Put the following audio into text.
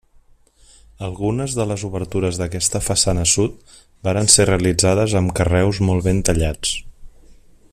Algunes de les obertures d'aquesta façana sud varen ser realitzades amb carreus molt ben tallats.